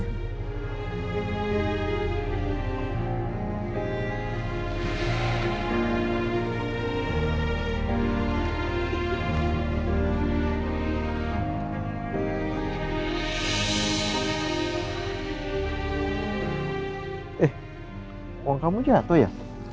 eh uang kamu jatuh ya